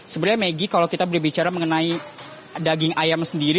sebenarnya maggie kalau kita berbicara mengenai daging ayam sendiri